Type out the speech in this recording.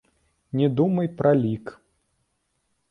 Не думай пра лік.